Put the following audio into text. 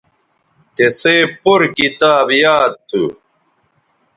تِسئ پور کتاب یاد تھو